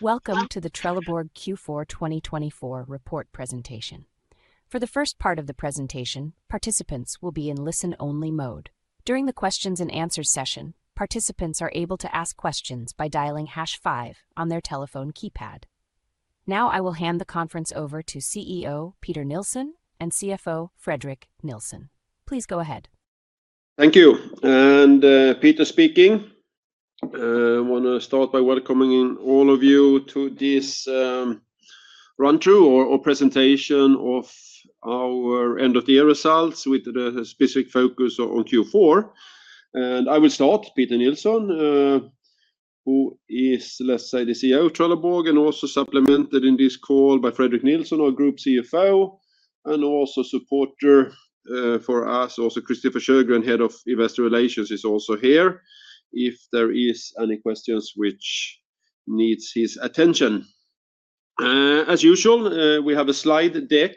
Welcome to the Trelleborg Q4 2024 report presentation. For the first part of the presentation, participants will be in listen-only mode. During the Q&A session, participants are able to ask questions by dialing pound key five on their telephone keypad. Now I will hand the conference over to CEO Peter Nilsson and CFO Fredrik Nilsson. Please go ahead. Thank you, and Peter Nilsson speaking. I want to start by welcoming all of you to this run-through or presentation of our end-of-year results with a specific focus on Q4, and I will start. Peter Nilsson, who is, let's say, the CEO of Trelleborg and also supplemented in this call by Fredrik Nilsson, our Group CFO, and also supporter for us. Also, Christofer Sjögren, Head of Investor Relations, is also here if there are any questions which need his attention. As usual, we have a slide deck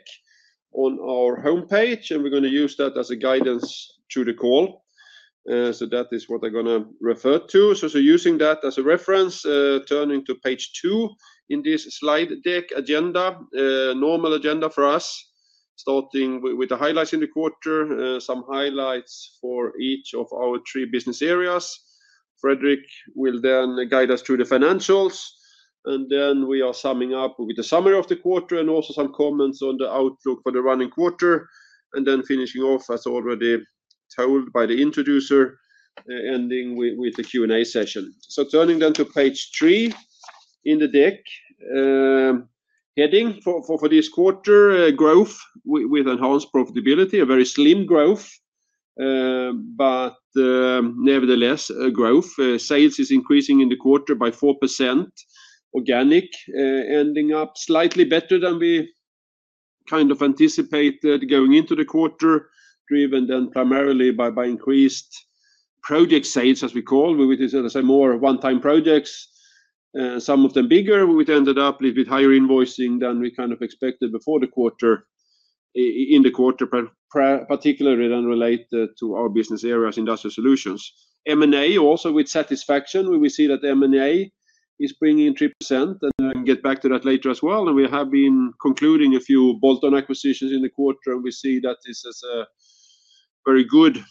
on our homepage, and we're going to use that as a guidance through the call, so that is what I'm going to refer to, so using that as a reference, turning to page 2 in this slide deck agenda, normal agenda for us, starting with the highlights in the quarter, some highlights for each of our three business areas. Fredrik Nilsson will then guide us through the financials, and then we are summing up with the summary of the quarter and also some comments on the outlook for the running quarter, and then finishing off, as already told by the introducer, ending with the Q&A session. So turning then to page three in the deck, heading for this quarter, growth with enhanced profitability, a very slim growth, but nevertheless, growth. Sales is increasing in the quarter by 4%, organic, ending up slightly better than we kind of anticipated going into the quarter, driven then primarily by increased project sales, as we call, with, as I said, more one-time projects, some of them bigger, which ended up with higher invoicing than we kind of expected before the quarter, in the quarter, particularly then related to our business areas, Industrial Solutions. M&A also with satisfaction. We see that M&A is bringing in 3%, and I can get back to that later as well. And we have been concluding a few bolt-on acquisitions in the quarter, and we see that this is a very good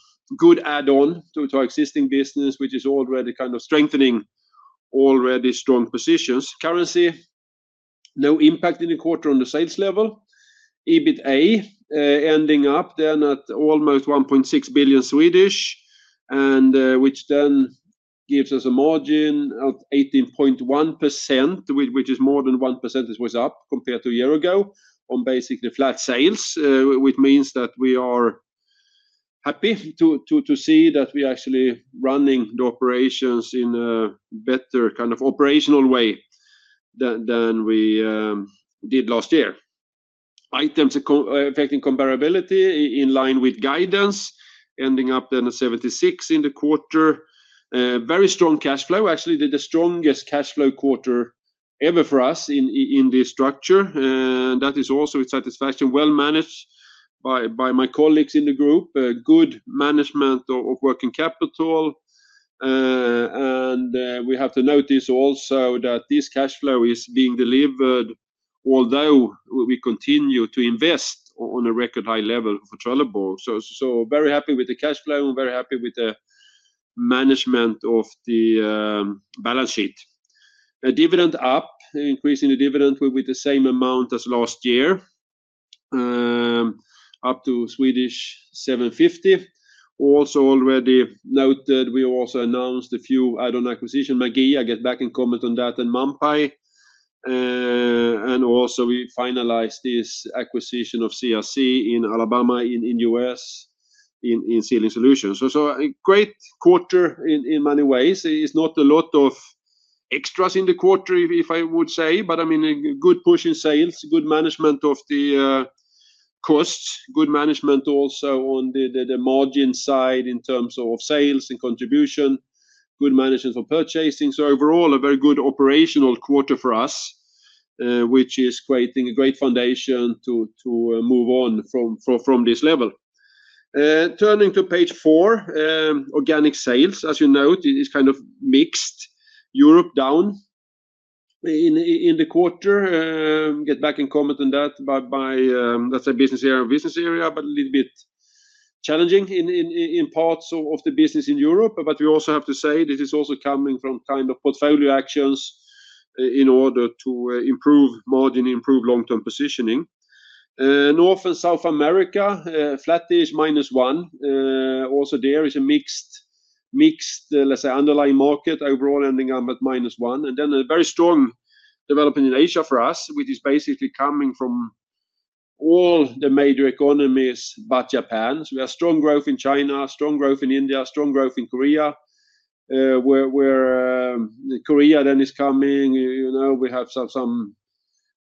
add-on to our existing business, which is already kind of strengthening already strong positions. Currency, no impact in the quarter on the sales level. EBITA, ending up then at almost 1.6 billion, which then gives us a margin of 18.1%, which is more than 1%. This was up compared to a year ago on basically flat sales, which means that we are happy to see that we are actually running the operations in a better kind of operational way than we did last year. Items affecting comparability in line with guidance, ending up then at 76 in the quarter. Very strong cash flow, actually the strongest cash flow quarter ever for us in this structure. And that is also with satisfaction, well managed by my colleagues in the group, good management of working capital. And we have to note this also that this cash flow is being delivered, although we continue to invest on a record high level for Trelleborg. So very happy with the cash flow and very happy with the management of the balance sheet. Dividend up, increasing the dividend with the same amount as last year, up to 7.50. Also already noted, we also announced a few add-on acquisitions, Magee Plastics, get back and comment on that, and Mampaey. And also we finalized this acquisition of CRC in Alabama in the U.S. in Sealing Solutions. So great quarter in many ways. It's not a lot of extras in the quarter, if I would say, but I mean a good push in sales, good management of the costs, good management also on the margin side in terms of sales and contribution, good management for purchasing. So overall, a very good operational quarter for us, which is creating a great foundation to move on from this level. Turning to page four, organic sales, as you note, is kind of mixed, Europe down in the quarter. I'll get back and comment on that by, let's say, business area on business area, but a little bit challenging in parts of the business in Europe. But we also have to say this is also coming from kind of portfolio actions in order to improve margin, improve long-term positioning. North and South America, flat is -1. Also, there is a mixed, let's say, underlying market overall, ending up at -1. And then a very strong development in Asia for us, which is basically coming from all the major economies but Japan. So we have strong growth in China, strong growth in India, strong growth in Korea. Where Korea then is coming, we have some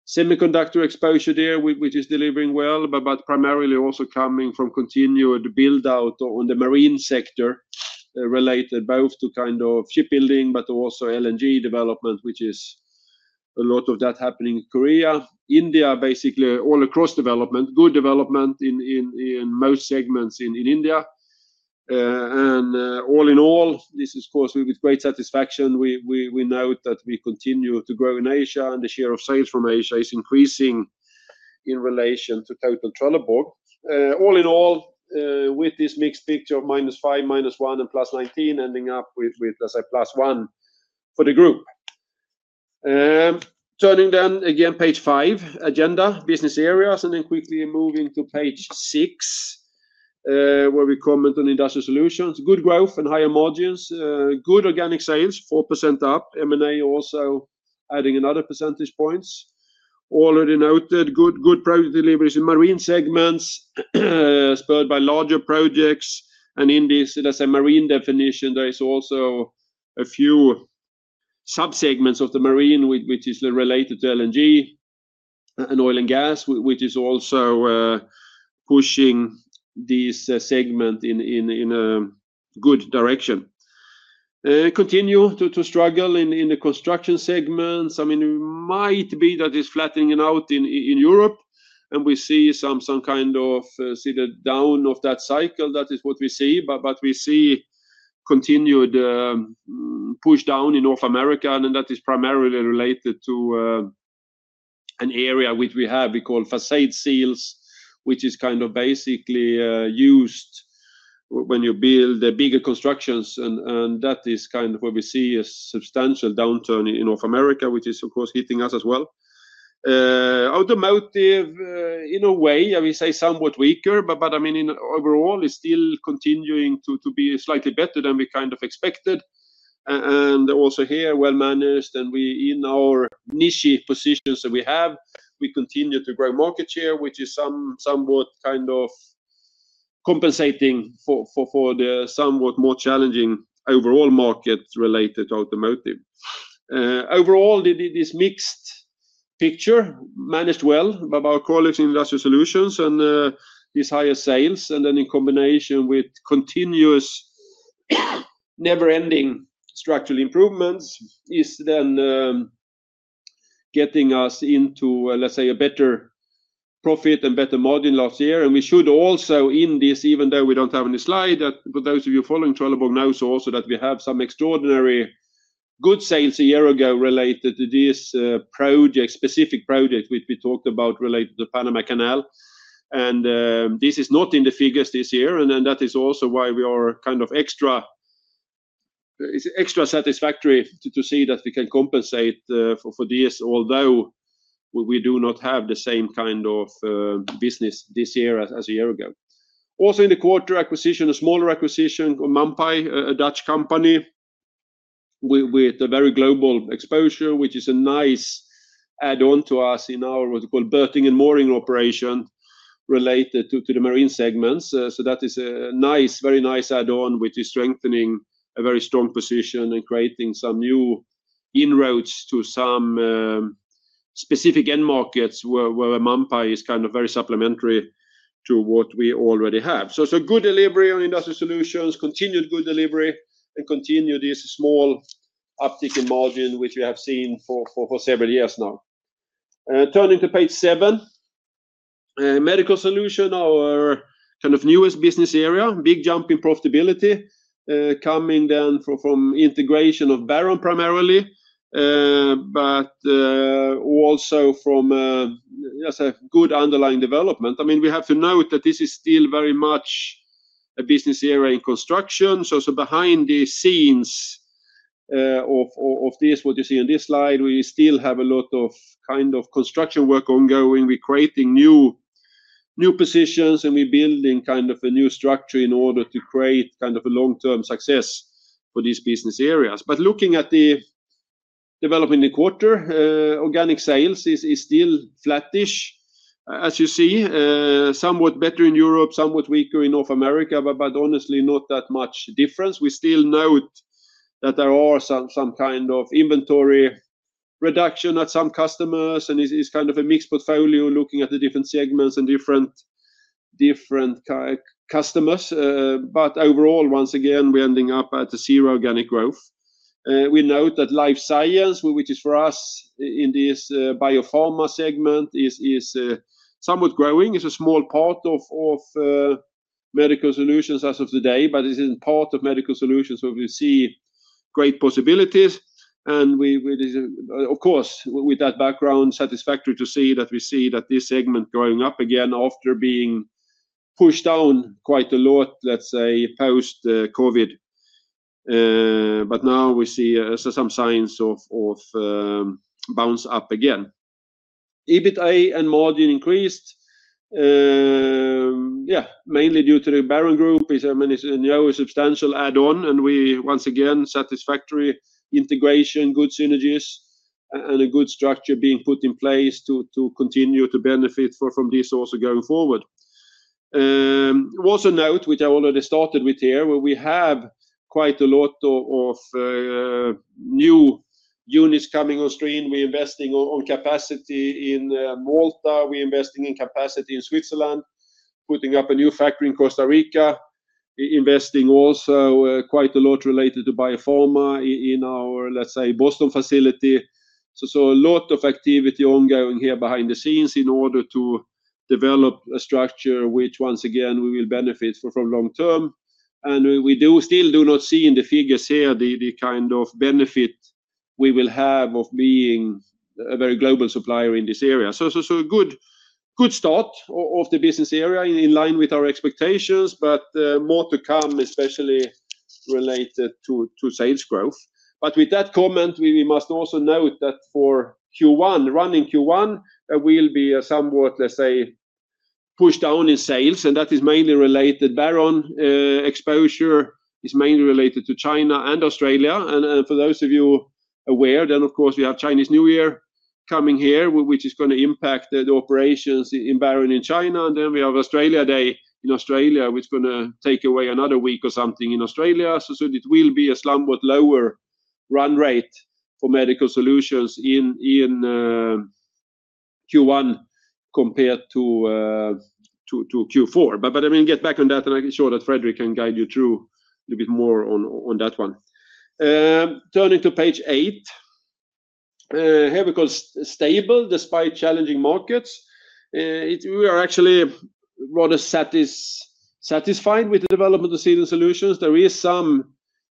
semiconductor exposure there, which is delivering well, but primarily also coming from continued build-out on the marine sector related both to kind of shipbuilding, but also LNG development, which is a lot of that happening in Korea. India, basically all across development, good development in most segments in India. And all in all, this is, of course, with great satisfaction. We note that we continue to grow in Asia, and the share of sales from Asia is increasing in relation to total Trelleborg. All in all, with this mixed picture of -5%, -1%, and +19%, ending up with, let's say, +1% for the group. Turning then again, page five, agenda, business areas, and then quickly moving to page six, where we comment on industrial solutions. Good growth and higher margins, good organic sales, 4% up. M&A also adding another percentage points. Already noted, good project deliveries in marine segments spurred by larger projects. And in this, let's say, marine definition, there is also a few subsegments of the marine, which is related to LNG and oil and gas, which is also pushing this segment in a good direction. Continue to struggle in the construction segments. I mean, it might be that it's flattening out in Europe, and we see some kind of the downturn of that cycle. That is what we see, but we see continued push down in North America, and that is primarily related to an area which we have, we call facade seals, which is kind of basically used when you build bigger constructions. And that is kind of what we see as a substantial downturn in North America, which is, of course, hitting us as well. Automotive, in a way, I would say somewhat weaker, but I mean, overall, it's still continuing to be slightly better than we kind of expected. And also here, well managed, and in our niche positions that we have, we continue to grow market share, which is somewhat kind of compensating for the somewhat more challenging overall market related to automotive. Overall, this mixed picture managed well by our colleagues in industrial solutions and these higher sales. Then in combination with continuous never-ending structural improvements is then getting us into, let's say, a better profit and better margin last year. We should also in this, even though we don't have any slide, for those of you following Trelleborg know also that we have some extraordinary good sales a year ago related to this specific project which we talked about related to the Panama Canal. This is not in the figures this year, and then that is also why we are kind of extraordinarily satisfied to see that we can compensate for this, although we do not have the same kind of business this year as a year ago. Also in the quarter acquisition, a smaller acquisition on Mampaey, a Dutch company with a very global exposure, which is a nice add-on to us in our what we call Berthing and Mooring operation related to the marine segments. So that is a nice, very nice add-on, which is strengthening a very strong position and creating some new inroads to some specific end markets where Mampaey is kind of very supplementary to what we already have. So good delivery on Industrial Solutions, continued good delivery, and continued this small uptick in margin, which we have seen for several years now. Turning to page seven, Medical Solutions, our kind of newest business area, big jump in profitability coming then from integration of Baron primarily, but also from, let's say, good underlying development. I mean, we have to note that this is still very much a business area in construction. So behind the scenes of this, what you see on this slide, we still have a lot of kind of construction work ongoing. We're creating new positions and we're building kind of a new structure in order to create kind of a long-term success for these business areas. But looking at the development in the quarter, organic sales is still flattish, as you see, somewhat better in Europe, somewhat weaker in North America, but honestly not that much difference. We still note that there are some kind of inventory reduction at some customers, and it's kind of a mixed portfolio looking at the different segments and different customers. But overall, once again, we're ending up at a zero organic growth. We note that Life Science, which is for us in this biopharma segment, is somewhat growing. It's a small part of medical solutions as of today, but it isn't part of medical solutions. So we see great possibilities. And of course, with that background, satisfactory to see that we see that this segment growing up again after being pushed down quite a lot, let's say, post-COVID. But now we see some signs of bounce up again. EBITA and margin increased, yeah, mainly due to the Baron Group. It's a substantial add-on, and we once again, satisfactory integration, good synergies, and a good structure being put in place to continue to benefit from this also going forward. Also note, which I already started with here, where we have quite a lot of new units coming on stream. We're investing in capacity in Malta. We're investing in capacity in Switzerland, putting up a new factory in Costa Rica, investing also quite a lot related to biopharma in our, let's say, Boston facility. So a lot of activity ongoing here behind the scenes in order to develop a structure which, once again, we will benefit from long-term. And we still do not see in the figures here the kind of benefit we will have of being a very global supplier in this area. So good start of the business area in line with our expectations, but more to come, especially related to sales growth. But with that comment, we must also note that for Q1, running Q1, there will be a somewhat, let's say, push down in sales, and that is mainly related to Baron exposure, mainly related to China and Australia. For those of you aware, then of course, we have Chinese New Year coming here, which is going to impact the operations in Baron in China. And then we have Australia Day in Australia, which is going to take away another week or something in Australia. So it will be a somewhat lower run rate for medical solutions in Q1 compared to Q4. But I mean, get back on that, and I'm sure that Fredrik Nilsson can guide you through a little bit more on that one. Turning to page eight, here. Because stable despite challenging markets, we are actually rather satisfied with the development of Sealing Solutions. There is some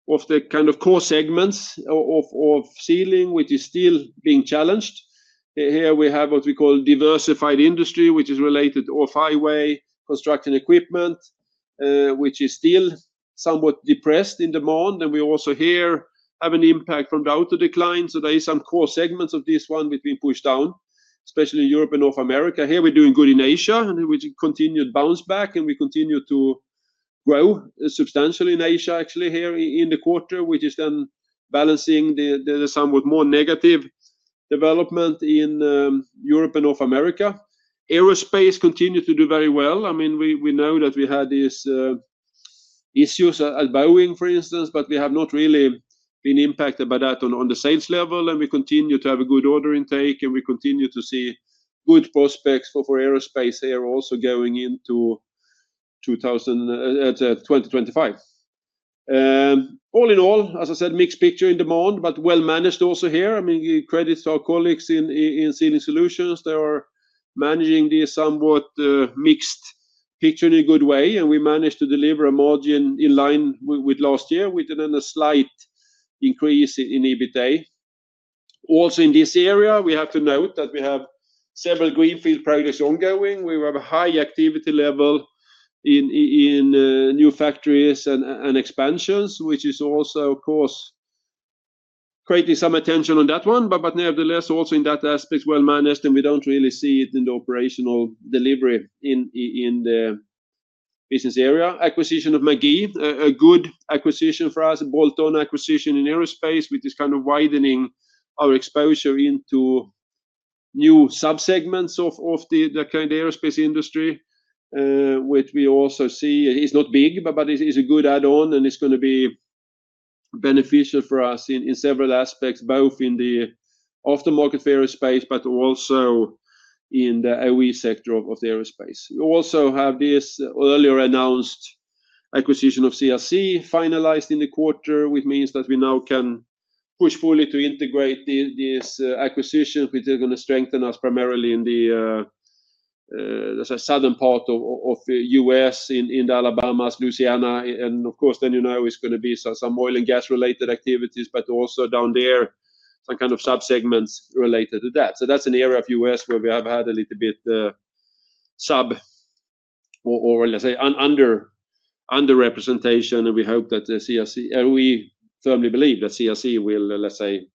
of the kind of core segments of Sealing, which is still being challenged. Here we have what we call diversified industry, which is related to Off-Highway construction equipment, which is still somewhat depressed in demand. and we also here have an impact from the auto decline. so there are some core segments of this one which have been pushed down, especially in Europe and North America. Here we're doing good in Asia, and we continued bounce back, and we continue to grow substantially in Asia, actually here in the quarter, which is then balancing the somewhat more negative development in Europe and North America. Aerospace continues to do very well. I mean, we know that we had these issues at Boeing, for instance, but we have not really been impacted by that on the sales level. and we continue to have a good order intake, and we continue to see good prospects for aerospace here also going into 2025. All in all, as I said, mixed picture in demand, but well managed also here. I mean, credit to our colleagues in Sealing Solutions. They are managing this somewhat mixed picture in a good way, and we managed to deliver a margin in line with last year, with then a slight increase in EBITA. Also in this area, we have to note that we have several greenfield projects ongoing. We have a high activity level in new factories and expansions, which is also, of course, creating some attention on that one. But nevertheless, also in that aspect, well managed, and we don't really see it in the operational delivery in the business area. Acquisition of Magee Plastics, a good acquisition for us, a bolt-on acquisition in aerospace, which is kind of widening our exposure into new subsegments of the kind of aerospace industry, which we also see is not big, but is a good add-on, and it's going to be beneficial for us in several aspects, both in the aftermarket for aerospace, but also in the OE sector of the aerospace. We also have this earlier announced acquisition of CRC finalized in the quarter, which means that we now can push fully to integrate this acquisition, which is going to strengthen us primarily in the southern part of the U.S. in Alabama, Louisiana. Of course, then you know it's going to be some oil and gas-related activities, but also down there, some kind of subsegments related to that. That's an area of the U.S. where we have had a little bit subpar or, let's say, underrepresentation, and we hope that CRC, we firmly believe that CRC will, let's say,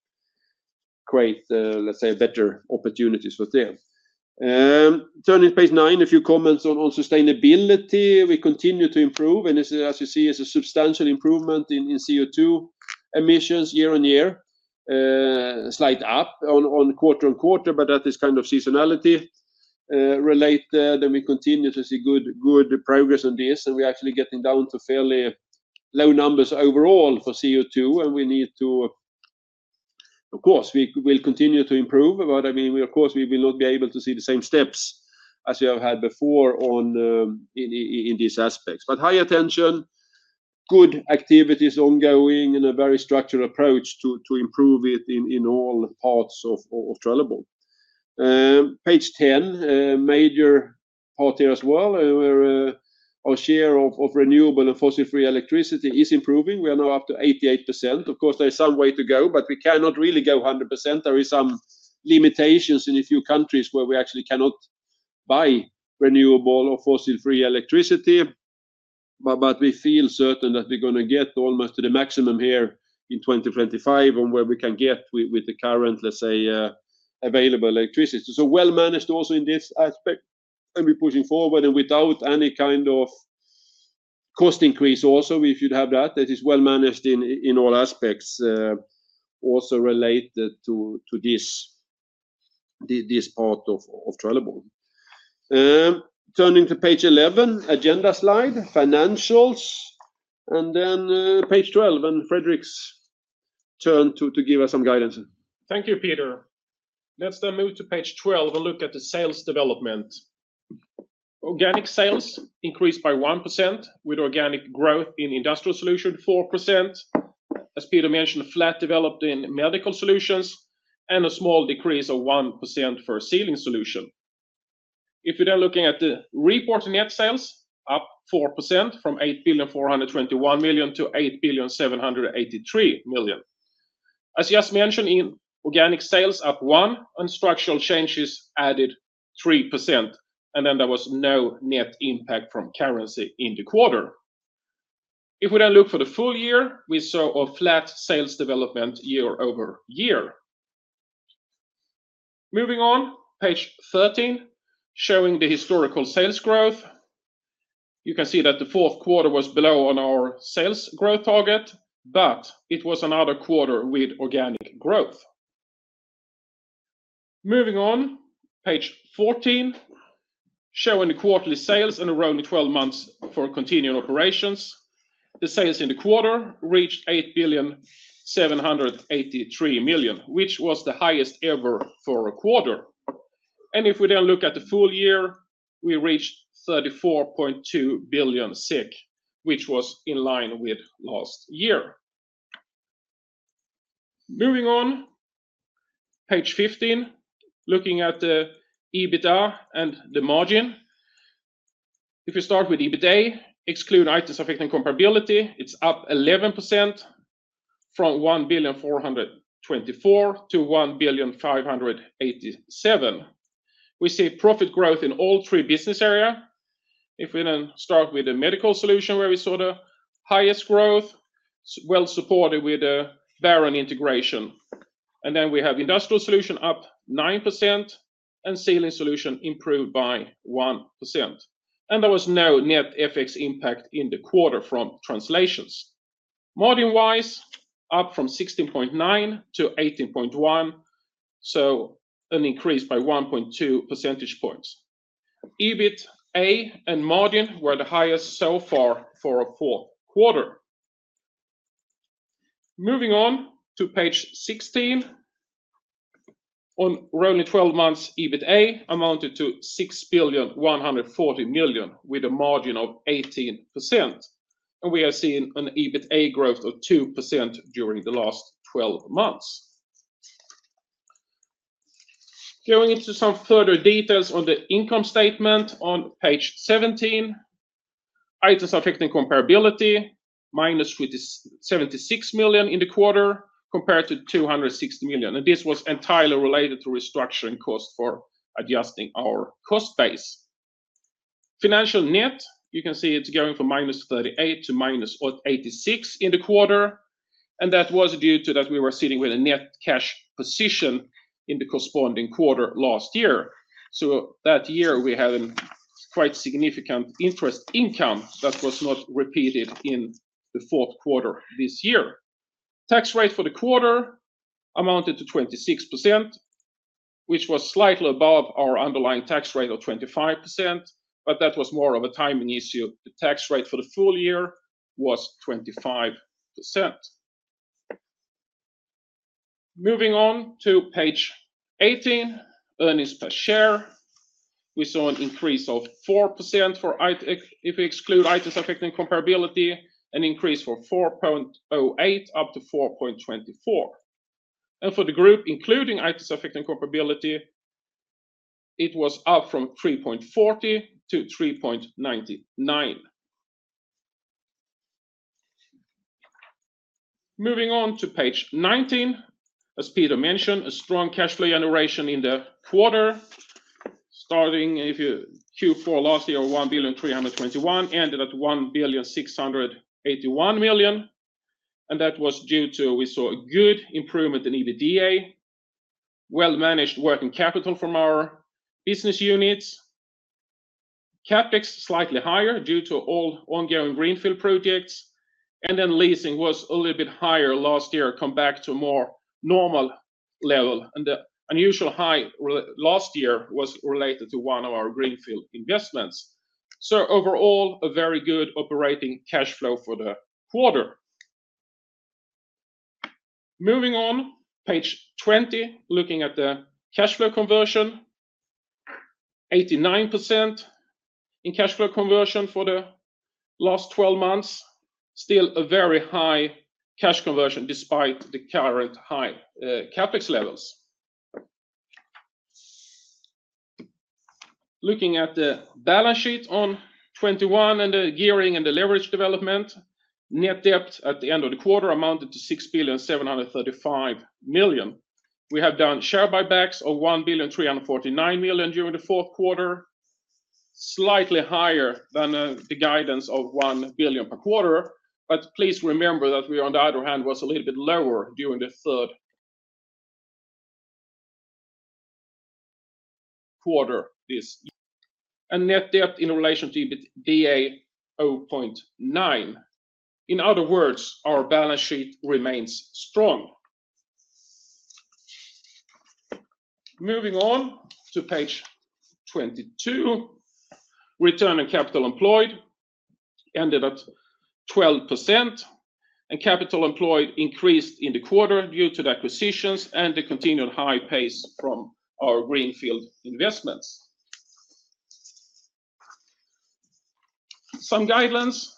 create, let's say, better opportunities for them. Turning to page nine, a few comments on sustainability. We continue to improve, and as you see, it's a substantial improvement in CO2 emissions year on year, slight up on quarter-on-quarter, but that is kind of seasonality related. We continue to see good progress on this, and we're actually getting down to fairly low numbers overall for CO2, and we need to, of course, we will continue to improve, but I mean, of course, we will not be able to see the same steps as we have had before in these aspects. But high attention, good activities ongoing and a very structured approach to improve it in all parts of Trelleborg. Page 10, major part here as well, where our share of renewable and fossil-free electricity is improving. We are now up to 88%. Of course, there is some way to go, but we cannot really go 100%. There are some limitations in a few countries where we actually cannot buy renewable or fossil-free electricity, but we feel certain that we're going to get almost to the maximum here in 2025 on where we can get with the current, let's say, available electricity. So well managed also in this aspect, and we're pushing forward and without any kind of cost increase also, if you'd have that. It is well managed in all aspects also related to this part of Trelleborg. Turning to page 11, agenda slide, financials, and then page 12, and Fredrik Nilsson turn to give us some guidance. Thank you, Peter Nilsson. Let's then move to page 12 and look at the sales development. Organic sales increased by 1% with organic growth in Industrial Solutions, 4%. As Peter Nilsson mentioned, flat development in Medical Solutions and a small decrease of 1% for Sealing Solutions. If we're then looking at the reported net sales, up 4% from 8,421 million to 8,783 million. As just mentioned, organic sales up 1% and structural changes added 3%, and then there was no net impact from currency in the quarter. If we then look for the full year, we saw a flat sales development year-over-year. Moving on, page 13, showing the historical sales growth. You can see that the fourth quarter was below on our sales growth target, but it was another quarter with organic growth. Moving on, page 14, showing the quarterly sales and around 12 months for continued operations. The sales in the quarter reached 8,783 million SEK, which was the highest ever for a quarter. And if we then look at the full year, we reached 34.2 billion SEK, which was in line with last year. Moving on, page 15, looking at the EBITA and the margin. If we start with EBITA, exclude items affecting comparability, it's up 11% from 1,424 to 1,587. We see profit growth in all three business areas. If we then start with the Medical Solutions, where we saw the highest growth, well supported with the Baron integration. And then we have Industrial Solutions up 9% and Sealing Solutions improved by 1%. There was no net FX impact in the quarter from translations. Margin-wise, up from 16.9% to 18.1%, so an increase by 1.2 percentage points. EBITA and margin were the highest so far for a quarter. Moving on to page 16, on rolling 12 months, EBITA amounted to 6,140 million with a margin of 18%. We are seeing an EBITA growth of 2% during the last 12 months. Going into some further details on the income statement on page 17, items affecting comparability, -76 million in the quarter compared to 260 million. This was entirely related to restructuring cost for adjusting our cost base. Financial net, you can see it's going from -38 million to -86 million in the quarter. That was due to that we were sitting with a net cash position in the corresponding quarter last year. That year, we had a quite significant interest income that was not repeated in theQ4 this year. Tax rate for the quarter amounted to 26%, which was slightly above our underlying tax rate of 25%, but that was more of a timing issue. The tax rate for the full year was 25%. Moving on to page 18, earnings per share. We saw an increase of 4% if we exclude items affecting comparability, from 4.08 to 4.24, and for the group, including items affecting comparability, it was up from 3.40 to 3.99. Moving on to page 19, as Peter Nilsson mentioned, a strong cash flow generation in the quarter, starting from Q4 last year 1,321 million, ended at 1,681 million. That was due to we saw a good improvement in EBITDA, well managed working capital from our business units, CapEx slightly higher due to all ongoing greenfield projects, and then leasing was a little bit higher last year, come back to a more normal level. The unusual high last year was related to one of our greenfield investments. Overall, a very good operating cash flow for the quarter. Moving on, page 20, looking at the cash flow conversion, 89% in cash flow conversion for the last 12 months, still a very high cash conversion despite the current high CapEx levels. Looking at the balance sheet on 21 and the gearing and the leverage development, net debt at the end of the quarter amounted to 6,735 million. We have done share buybacks of 1,349 million during the Q4, slightly higher than the guidance of 1 billion per quarter. But please remember that we on the other hand was a little bit lower during the third quarter. And net debt in relation to EBITDA 0.9. In other words, our balance sheet remains strong. Moving on to page 22, return on capital employed ended at 12%, and capital employed increased in the quarter due to the acquisitions and the continued high pace from our greenfield investments. Some guidance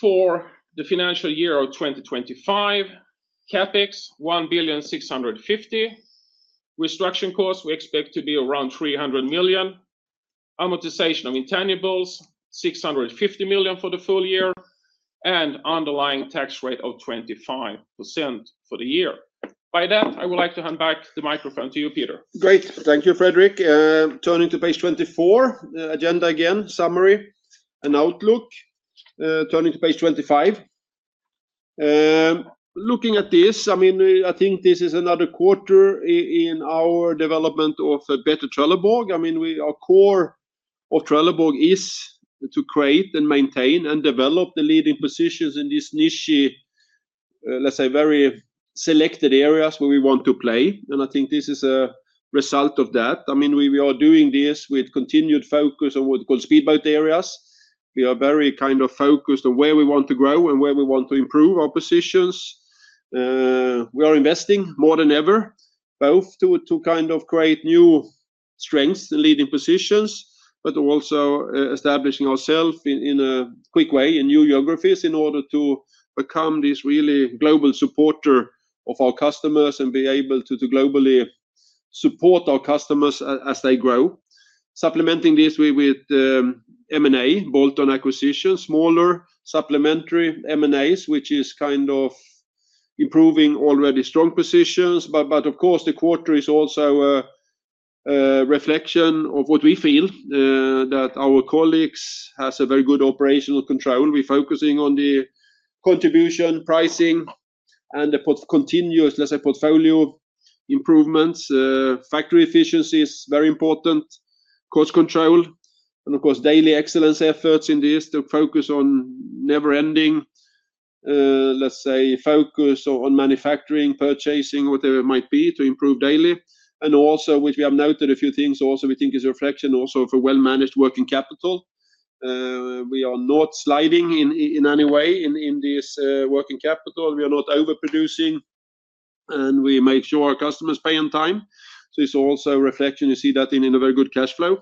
for the financial year of 2025: CapEx 1,650 million, restructuring costs we expect to be around 300 million, amortization of intangibles 650 million for the full year, and underlying tax rate of 25% for the year. By that, I would like to hand back the microphone to you, Peter Nilsson. Great. Thank you, Fredrik Nilsson. Turning to page 24, agenda again, summary and outlook. Turning to page 25. Looking at this, I mean, I think this is another quarter in our development of a better Trelleborg. I mean, our core of Trelleborg is to create and maintain and develop the leading positions in these niche, let's say, very selected areas where we want to play. And I think this is a result of that. I mean, we are doing this with continued focus on what we call speedboat areas. We are very kind of focused on where we want to grow and where we want to improve our positions. We are investing more than ever, both to kind of create new strengths and leading positions, but also establishing ourselves in a quick way in new geographies in order to become this really global supporter of our customers and be able to globally support our customers as they grow. Supplementing this with M&A, bolt-on acquisitions, smaller supplementary M&As, which is kind of improving already strong positions. But of course, the quarter is also a reflection of what we feel that our colleagues have a very good operational control. We're focusing on the contribution, pricing, and the continuous, let's say, portfolio improvements. Factory efficiency is very important, cost control, and of course, daily excellence efforts in this to focus on never-ending, let's say, focus on manufacturing, purchasing, whatever it might be to improve daily. And also, which we have noted a few things, also we think is a reflection also for well-managed working capital. We are not sliding in any way in this working capital. We are not overproducing, and we make sure our customers pay on time. So it's also a reflection. You see that in a very good cash flow.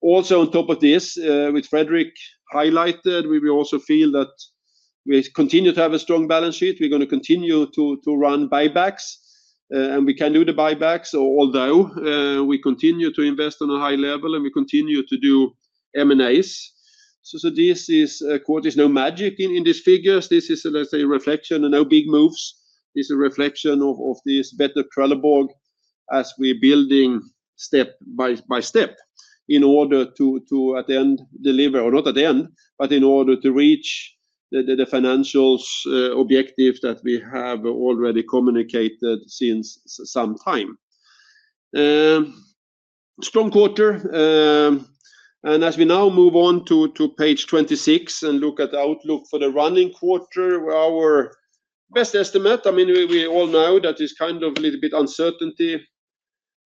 Also, on top of this, which Fredrik Nilsson highlighted, we also feel that we continue to have a strong balance sheet. We're going to continue to run buybacks, and we can do the buybacks, although we continue to invest on a high level and we continue to do M&As. So this quarter is no magic in these figures. This is, let's say, a reflection and no big moves. It's a reflection of this better Trelleborg as we're building step by step in order to, at the end, deliver, or not at the end, but in order to reach the financials objective that we have already communicated since some time. Strong quarter, and as we now move on to page 26 and look at the outlook for the running quarter, our best estimate, I mean, we all know that there's kind of a little bit of uncertainty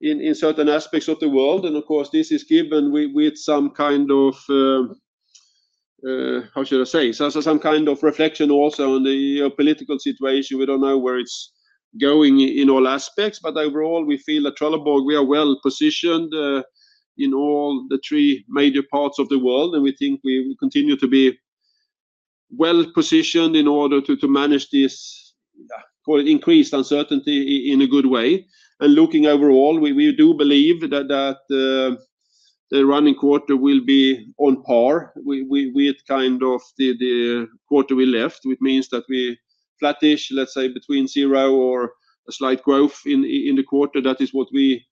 in certain aspects of the world, and of course, this is given with some kind of, how should I say, some kind of reflection also on the geopolitical situation. We don't know where it's going in all aspects, but overall, we feel at Trelleborg, we are well positioned in all the three major parts of the world, and we think we will continue to be well positioned in order to manage this, call it increased uncertainty in a good way. And looking overall, we do believe that the running quarter will be on par with kind of the quarter we left, which means that we flattish, let's say, between zero or a slight growth in the quarter. That is what we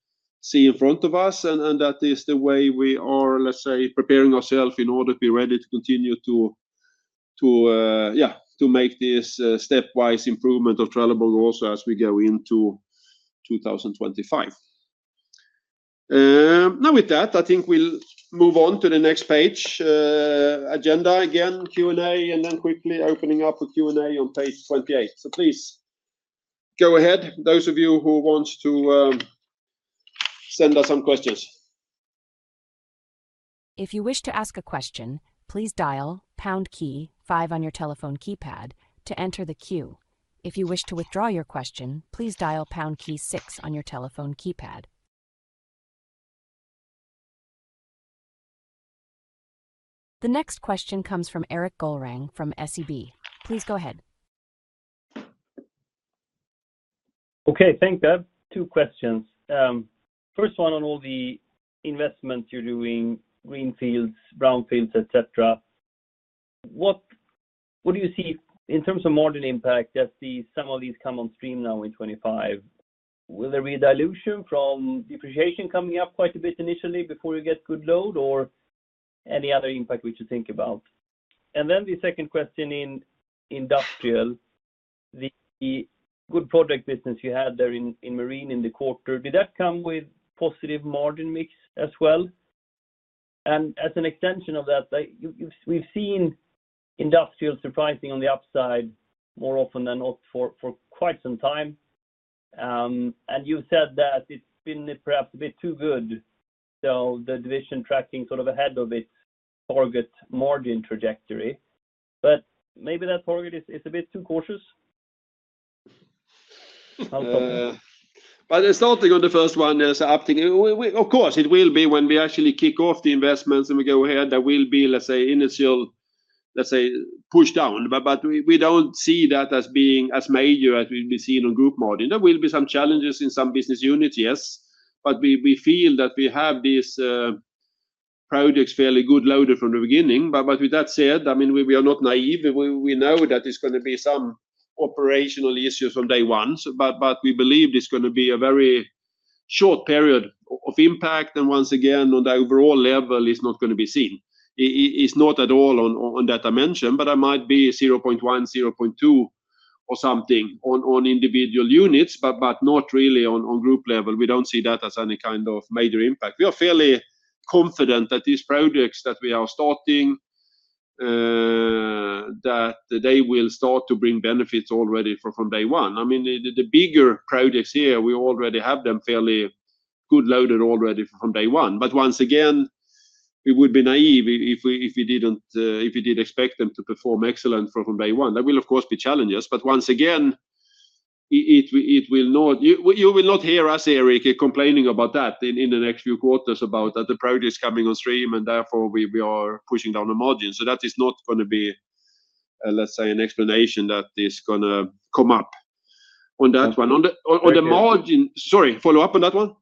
see in front of us, and that is the way we are, let's say, preparing ourselves in order to be ready to continue to, yeah, to make this stepwise improvement of Trelleborg also as we go into 2025. Now with that, I think we'll move on to the next page agenda again, Q&A, and then quickly opening up a Q&A on page 28. So please go ahead, those of you who want to send us some questions. If you wish to ask a question, please dial pound key five on your telephone keypad to enter the queue. If you wish to withdraw your question, please dial pound key six on your telephone keypad. The next question comes from Erik Golrang from SEB. Please go ahead. Okay, thank you. Two questions. First one, on all the investments you're doing, greenfields, brownfields, etc., what do you see in terms of margin impact as some of these come on stream now in 2025? Will there be a dilution from depreciation coming up quite a bit initially before you get good load, or any other impact which you think about? And then the second question in industrial, the good project business you had there in marine in the quarter, did that come with positive margin mix as well? And as an extension of that, we've seen industrial surprising on the upside more often than not for quite some time. And you've said that it's been perhaps a bit too good. So the division tracking sort of ahead of its target margin trajectory. But maybe that target is a bit too cautious. But it's not the good the first one, there's an uptick. Of course, it will be when we actually kick off the investments and we go ahead, there will be, let's say, initial, let's say, push down. But we don't see that as being as major as we've been seeing on group margin. There will be some challenges in some business units, yes. But we feel that we have these projects fairly good loaded from the beginning. But with that said, I mean, we are not naive. We know that there's going to be some operational issues from day one. But we believe there's going to be a very short period of impact. And once again, on the overall level, it's not going to be seen. It's not at all on that dimension. But there might be 0.1, 0.2 or something on individual units, but not really on group level. We don't see that as any kind of major impact. We are fairly confident that these projects that we are starting, that they will start to bring benefits already from day one. I mean, the bigger projects here, we already have them fairly good loaded already from day one. But once again, we would be naive if we didn't expect them to perform excellent from day one. There will, of course, be challenges. But once again, you will not hear us, Erik Golrang, complaining about that in the next few quarters about the projects coming on stream, and therefore, we are pushing down the margin. So that is not going to be, let's say, an explanation that is going to come up on that one. On the margin, sorry, follow up on that one?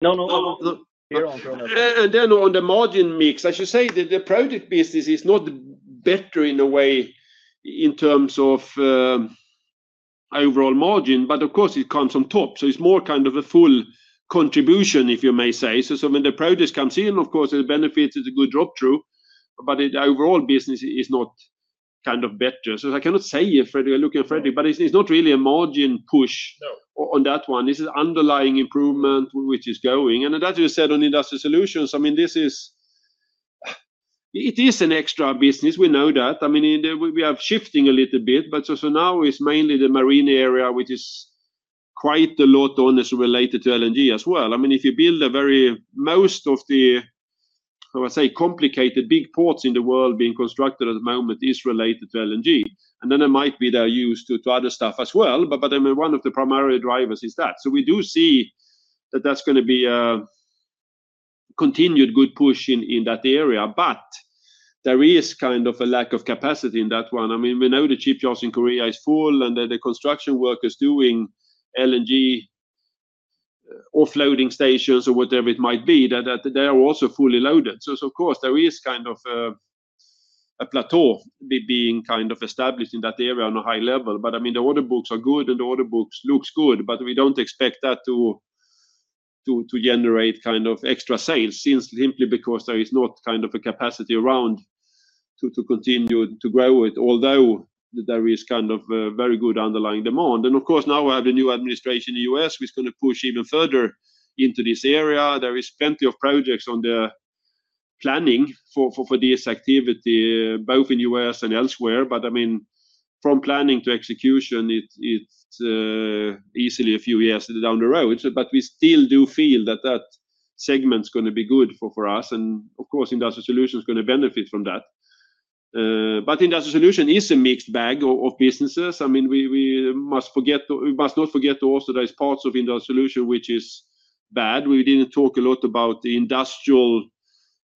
No, no, no. You're on. And then on the margin mix, I should say the project business is not better in a way in terms of overall margin. But of course, it comes from top. So it's more kind of a full contribution, if you may say. So when the project comes in, of course, it benefits the good drop-through. But the overall business is not kind of better. So I cannot say if you're looking at Fredrik Nilsson, but it's not really a margin push on that one. This is underlying improvement, which is going. And as you said on industrial solutions, I mean, it is an extra business. We know that. I mean, we are shifting a little bit. But so now it's mainly the marine area, which is quite a lot on this related to LNG as well. I mean, if you build a very most of the, I would say, complicated big ports in the world being constructed at the moment is related to LNG. And then there might be other stuff as well. But I mean, one of the primary drivers is that. So we do see that that's going to be a continued good push in that area. But there is kind of a lack of capacity in that one. I mean, we know the chip jobs in Korea is full, and the construction workers doing LNG offloading stations or whatever it might be, they are also fully loaded. So of course, there is kind of a plateau being kind of established in that area on a high level. But I mean, the order books are good, and the order books look good. But we don't expect that to generate kind of extra sales simply because there is not kind of a capacity around to continue to grow it, although there is kind of a very good underlying demand. And of course, now we have the new administration in the U.S., which is going to push even further into this area. There is plenty of projects on the planning for this activity, both in the U.S. and else where. But I mean, from planning to execution, it's easily a few years down the road. But we still do feel that that segment is going to be good for us. And of course, industrial solutions are going to benefit from that. But industrial solution is a mixed bag of businesses. I mean, we must not forget to also there are parts of industrial solution which is bad. We didn't talk a lot about the industrial,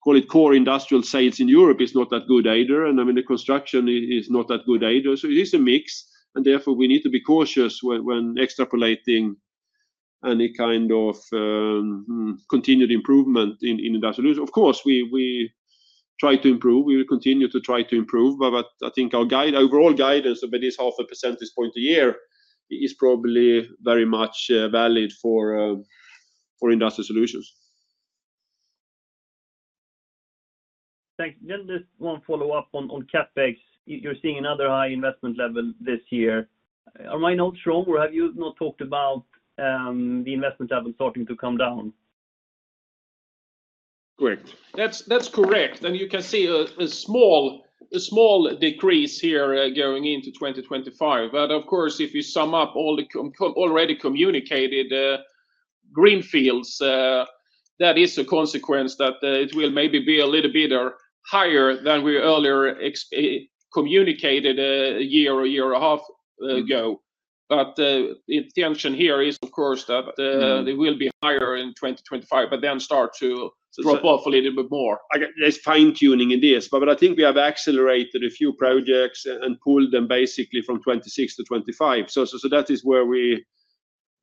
call it core industrial sales in Europe is not that good either. And I mean, the construction is not that good either. So it is a mix. And therefore, we need to be cautious when extrapolating any kind of continued improvement in industrial solutions. Of course, we try to improve. We will continue to try to improve. But I think our overall guidance of at least half a percentage point a year is probably very much valid for industrial solutions. Thanks. Just one follow-up on CapEx. You're seeing another high investment level this year. Am I not wrong, or have you not talked about the investment level starting to come down? Correct. That's correct. And you can see a small decrease here going into 2025. But of course, if you sum up all the already communicated greenfields, that is a consequence that it will maybe be a little bit higher than we earlier communicated a year or a year and a half ago. But the intention here is, of course, that it will be higher in 2025, but then start to drop off a little bit more. There's fine-tuning in this. But I think we have accelerated a few projects and pulled them basically from 2026 to 2025. So that is where we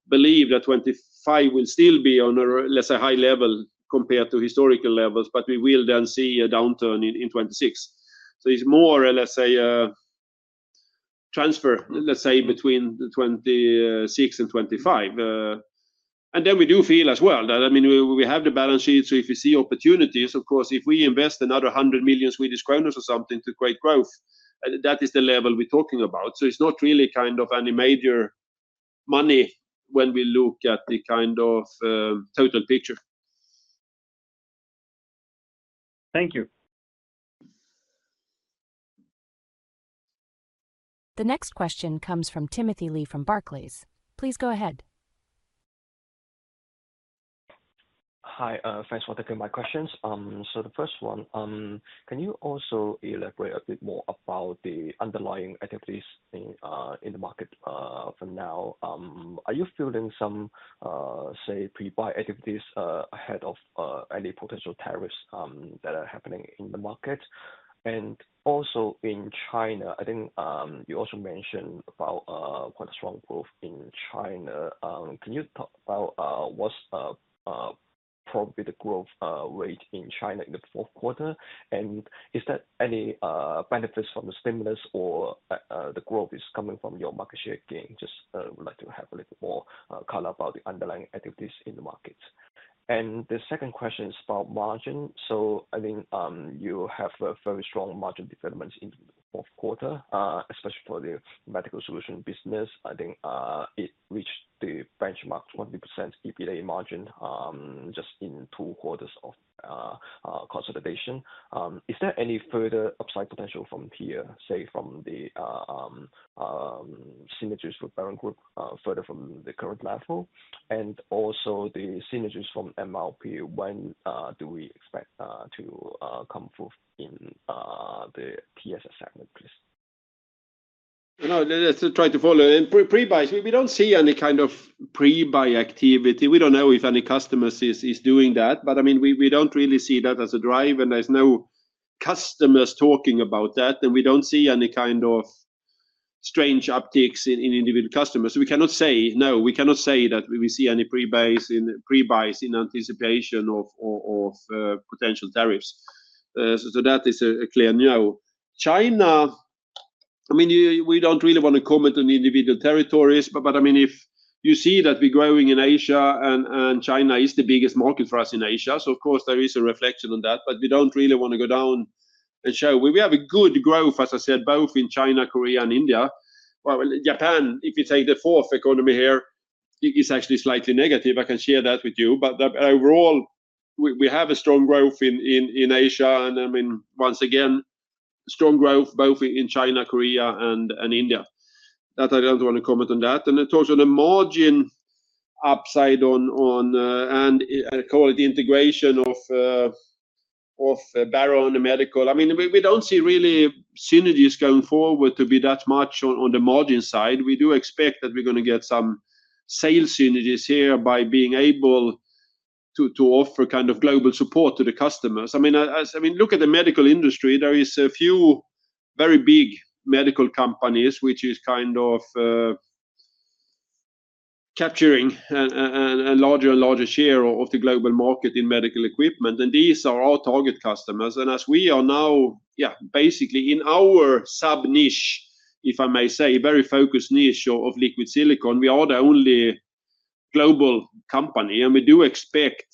believe that 2025 will still be on a, let's say, high level compared to historical levels, but we will then see a downturn in 2026. So it's more a, let's say, transfer, let's say, between 2026 and 2025. And then we do feel as well that, I mean, we have the balance sheet. So if you see opportunities, of course, if we invest another 100 million Swedish kronor or something to create growth, that is the level we're talking about. So it's not really kind of any major money when we look at the kind of total picture. Thank you. The next question comes from Timothy Lee from Barclays. Please go ahead. Hi, thanks for taking my questions. So the first one, can you also elaborate a bit more about the underlying activities in the market for now? Are you feeling some, say, pre-buy activities ahead of any potential tariffs that are happening in the market? And also in China, I think you also mentioned about quite a strong growth in China. Can you talk about what's probably the growth rate in China in the fourth quarter? And is that any benefits from the stimulus or the growth is coming from your market share gain? Just would like to have a little more color about the underlying activities in the market. And the second question is about margin. So I think you have a very strong margin development in the fourth quarter, especially for the medical solution business. I think it reached the benchmark 20% EBITA margin just in two quarters of consolidation. Is there any further upside potential from here, say, from the synergies with Baron Group further from the current level? And also the synergies from MRP, when do we expect to come full in the TSS segment, please? No, let's try to follow. And pre-buys, we don't see any kind of pre-buy activity. We don't know if any customer is doing that. But I mean, we don't really see that as a drive. And there's no customers talking about that. And we don't see any kind of strange upticks in individual customers. So we cannot say, no, we cannot say that we see any pre-buys in anticipation of potential tariffs. So that is a clear no. China, I mean, we don't really want to comment on individual territories. But I mean, if you see that we're growing in Asia and China is the biggest market for us in Asia, so of course, there is a reflection on that. But we don't really want to go down and show. We have a good growth, as I said, both in China, Korea, and India. Japan, if you take the fourth economy here, is actually slightly negative. I can share that with you. But overall, we have a strong growth in Asia. And I mean, once again, strong growth both in China, Korea, and India. That I don't want to comment on that. And it talks on the margin upside and call it integration of Baron and medical. I mean, we don't see really synergies going forward to be that much on the margin side. We do expect that we're going to get some sales synergies here by being able to offer kind of global support to the customers. I mean, look at the medical industry. There are a few very big medical companies which are kind of capturing a larger and larger share of the global market in medical equipment. And these are our target customers. And as we are now, basically in our sub-niche, if I may say, very focused niche of liquid silicone, we are the only global company. And we do expect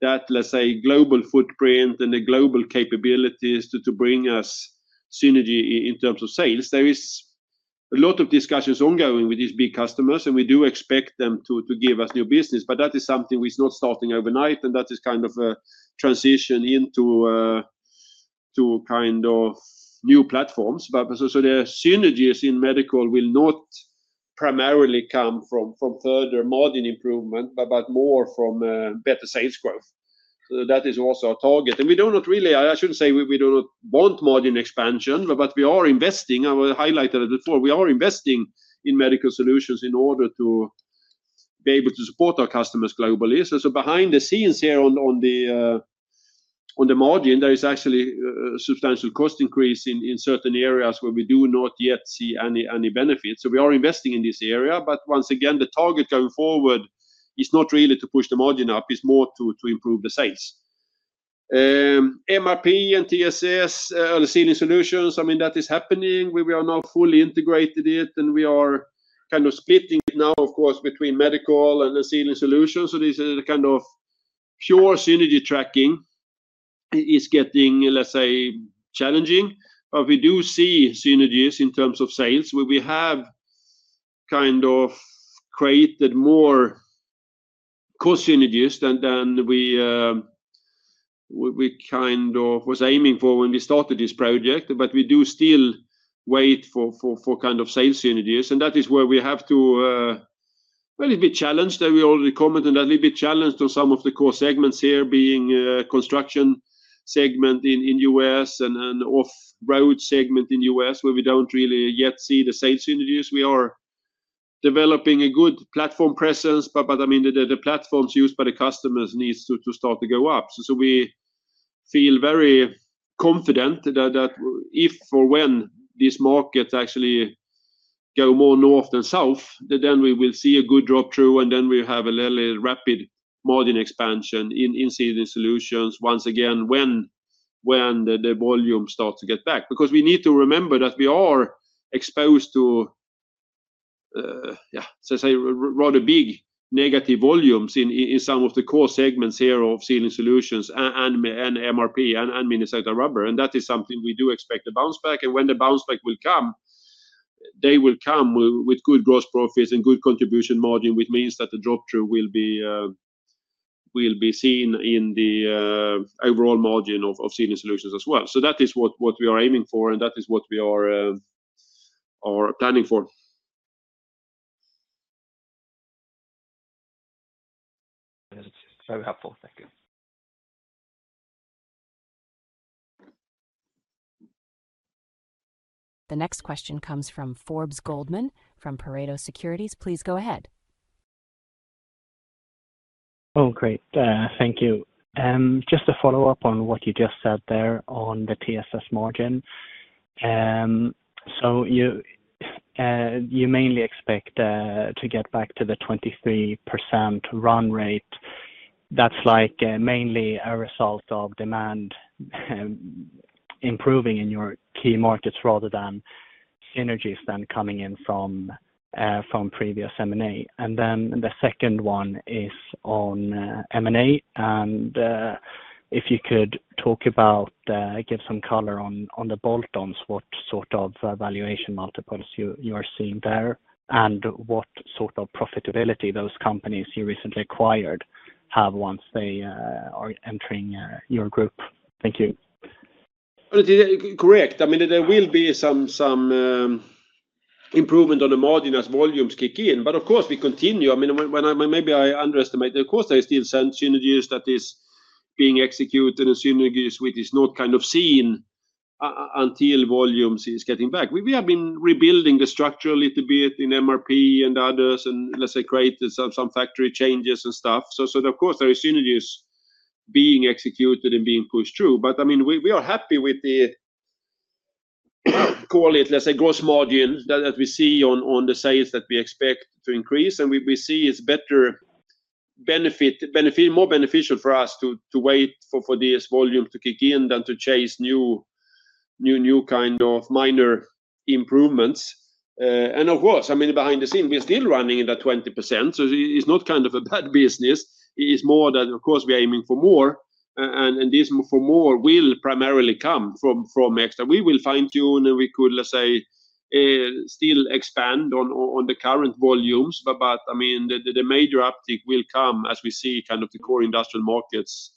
that, let's say, global footprint and the global capabilities to bring us synergy in terms of sales. There is a lot of discussions ongoing with these big customers. And we do expect them to give us new business. But that is something which is not starting overnight. And that is kind of a transition into kind of new platforms. So the synergies in Medical Solutions will not primarily come from further margin improvement, but more from better sales growth. So that is also our target. And we do not really, I shouldn't say we do not want margin expansion. But we are investing. I will highlight it as before. We are investing in Medical Solutions in order to be able to support our customers globally. So behind the scenes here on the margin, there is actually a substantial cost increase in certain areas where we do not yet see any benefits. So we are investing in this area. But once again, the target going forward is not really to push the margin up. It's more to improve the sales. MRP and TSS, early Sealing Solutions, I mean, that is happening. We are now fully integrated it. We are kind of splitting it now, of course, between medical and the sealing solutions. This is a kind of pure synergy tracking is getting, let's say, challenging. We do see synergies in terms of sales. We have kind of created more cost synergies than we kind of was aiming for when we started this project. We do still wait for kind of sales synergies. That is where we have to be a little bit challenged. We already commented a little bit challenged on some of the core segments here, being construction segment in the U.S. and off-road segment in the U.S., where we don't really yet see the sales synergies. We are developing a good platform presence. I mean, the platforms used by the customers need to start to go up. So we feel very confident that if or when this market actually goes more north than south, then we will see a good drop-through. And then we have a really rapid margin expansion in Sealing Solutions once again when the volume starts to get back. Because we need to remember that we are exposed to, yeah, so to say, rather big negative volumes in some of the core segments here of Sealing Solutions and MRP and Minnesota Rubber. And that is something we do expect a bounce back. And when the bounce back will come, they will come with good gross profits and good contribution margin, which means that the drop-through will be seen in the overall margin of Sealing Solutions as well. So that is what we are aiming for. And that is what we are planning for. That's very helpful. Thank you. The next question comes from Forbes Goldman from Pareto Securities. Please go ahead. Oh, great. Thank you. Just to follow up on what you just said there on the TSS margin. So you mainly expect to get back to the 23% run rate. That's mainly a result of demand improving in your key markets rather than synergies then coming in from previous M&A. And then the second one is on M&A. And if you could talk about, give some color on the bolt-ons, what sort of valuation multiples you are seeing there and what sort of profitability those companies you recently acquired have once they are entering your group. Thank you. Correct. I mean, there will be some improvement on the margin as volumes kick in. But of course, we continue. I mean, maybe I underestimated. Of course, there are still some synergies that are being executed and synergies which are not kind of seen until volumes are getting back. We have been rebuilding the structure a little bit in MRP and others and, let's say, created some factory changes and stuff. So of course, there are synergies being executed and being pushed through. But I mean, we are happy with the, call it, let's say, gross margin that we see on the sales that we expect to increase, and we see it's better, more beneficial for us to wait for these volumes to kick in than to chase new kind of minor improvements. Of course, I mean, behind the scenes, we're still running in the 20%. So it's not kind of a bad business. It's more that, of course, we're aiming for more, and this for more will primarily come from extra. We will fine-tune and we could, let's say, still expand on the current volumes. But I mean, the major uptick will come as we see kind of the core industrial markets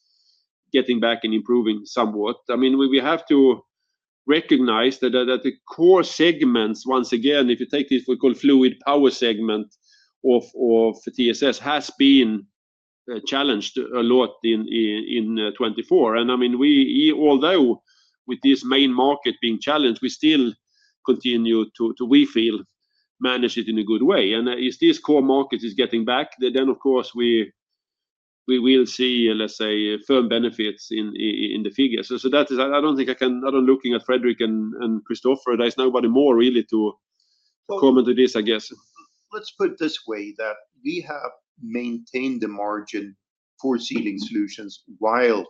getting back and improving somewhat. I mean, we have to recognize that the core segments, once again, if you take this what we call Fluid Power segment of TSS, has been challenged a lot in 2024. And I mean, although with this main market being challenged, we still continue to, we feel, manage it in a good way. And if these core markets are getting back, then of course, we will see, let's say, firm benefits in the figures. So I don't think I can, other than looking at Fredrik and Christofer Sjögren, there's nobody more really to comment on this, I guess. Let's put it this way that we have maintained the margin for sealing solutions while,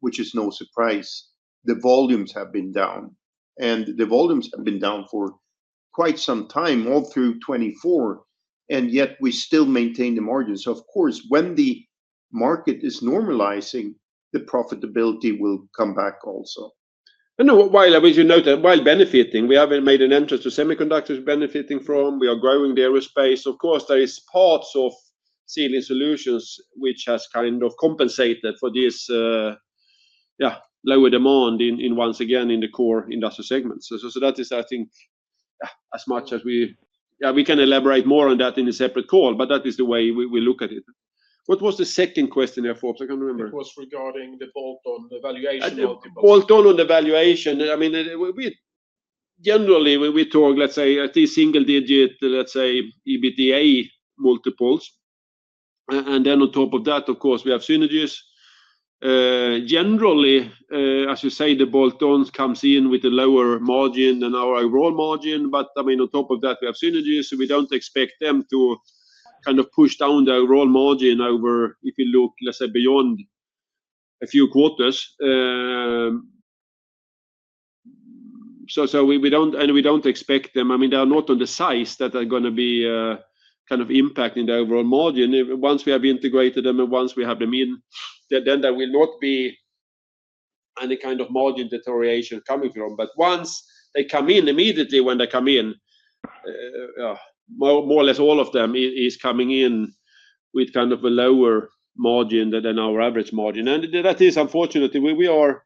which is no surprise, the volumes have been down. And the volumes have been down for quite some time, all through 2024. And yet, we still maintain the margins. Of course, when the market is normalizing, the profitability will come back also. No, while I mean, you note that while benefiting, we haven't made an entrance to semiconductors benefiting from. We are growing the aerospace. Of course, there are parts of sealing solutions which have kind of compensated for this, yeah, lower demand in, once again, in the core industrial segments. So that is, I think, as much as we can elaborate more on that in a separate call. But that is the way we look at it. What was the second question here, Forbes Goldman? I can't remember. It was regarding the bolt-on valuation multiple. Bolt-on on the valuation. I mean, generally, we talk, let's say, at these single-digit, let's say, EBITDA multiples, and then on top of that, of course, we have synergies. Generally, as you say, the bolt-ons come in with a lower margin than our overall margin, but I mean, on top of that, we have synergies, so we don't expect them to kind of push down the overall margin over if you look, let's say, beyond a few quarters, and we don't expect them. I mean, they are not on the size that are going to be kind of impacting the overall margin. Once we have integrated them and once we have them in, then there will not be any kind of margin deterioration coming from. But once they come in, immediately when they come in, more or less all of them are coming in with kind of a lower margin than our average margin. And that is, unfortunately, we are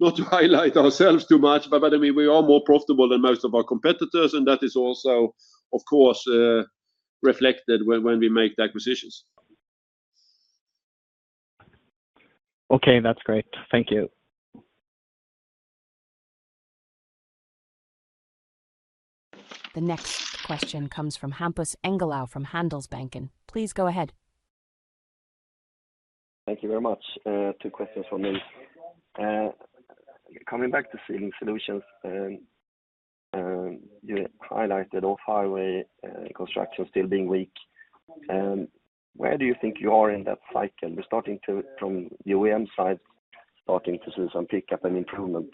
not to highlight ourselves too much. But I mean, we are more profitable than most of our competitors. And that is also, of course, reflected when we make the acquisitions. Okay. That's great. Thank you. The next question comes from Hampus Engellau from Handelsbanken. Please go ahead. Thank you very much. Two questions from me. Coming back to Sealing Solutions, you highlighted off-highway construction still being weak. Where do you think you are in that cycle? We're starting to, from the OEM side, starting to see some pickup and improvement.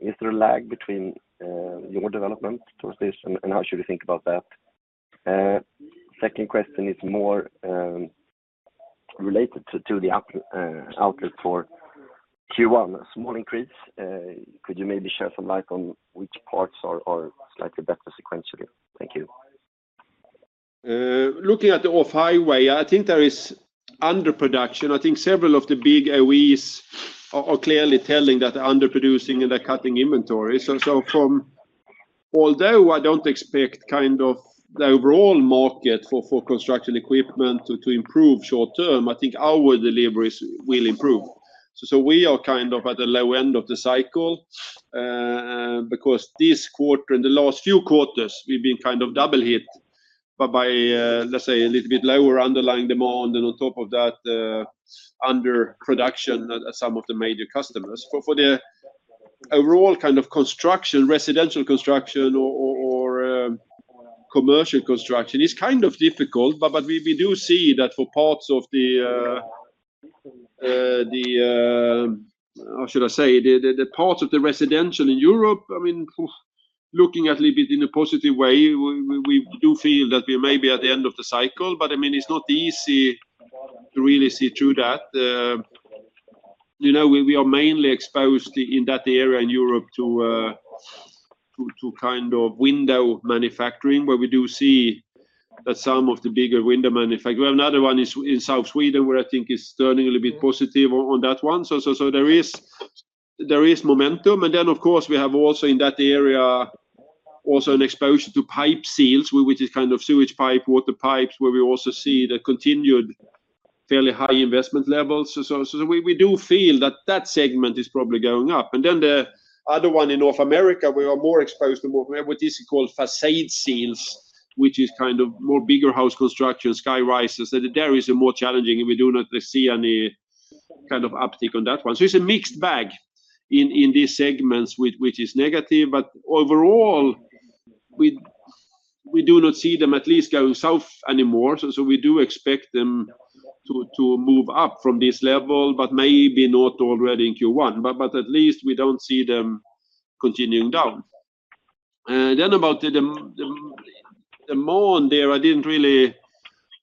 Is there a lag between your development towards this? And how should we think about that? Second question is more related to the outlook for Q1, a small increase. Could you maybe shed some light on which parts are slightly better sequentially? Thank you. Looking at the off-highway, I think there is underproduction. I think several of the big OEs are clearly telling that they're underproducing and they're cutting inventory. So although I don't expect kind of the overall market for construction equipment to improve short-term, I think our deliveries will improve. So we are kind of at the low end of the cycle because this quarter and the last few quarters, we've been kind of double-hit by, let's say, a little bit lower underlying demand. And on top of that, underproduction at some of the major customers. For the overall kind of construction, residential construction or commercial construction, it's kind of difficult. But we do see that for parts of the, how should I say, the parts of the residential in Europe, I mean, looking at it a little bit in a positive way, we do feel that we're maybe at the end of the cycle. But I mean, it's not easy to really see through that. We are mainly exposed in that area in Europe to kind of window manufacturing, where we do see that some of the bigger window manufacturers. Another one is in South Sweden, where I think it's turning a little bit positive on that one. So there is momentum. And then, of course, we have also in that area also an exposure to pipe seals, which is kind of sewage pipe, water pipes, where we also see the continued fairly high investment levels. So we do feel that that segment is probably going up. The other one in North America, we are more exposed to what is called facade seals, which is kind of more bigger house construction, skyscrapers. There is a more challenging, and we do not see any kind of uptick on that one. So it's a mixed bag in these segments, which is negative. But overall, we do not see them at least going south anymore. So we do expect them to move up from this level, but maybe not already in Q1. But at least we don't see them continuing down. Then about the margin there, I didn't really